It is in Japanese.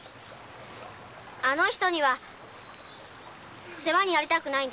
あの人には世話になりたくないんです。